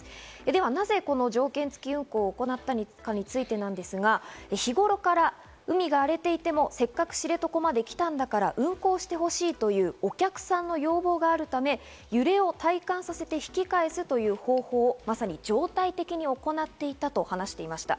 では、なぜこの条件付き運航を行ったかについてなんですが、日頃から海が荒れていてもせっかく知床まで来たんだから運航してほしいというお客さんの要望があるため、揺れを体感させて引き返すという方法を、まさに常態的に行っていたと話していました。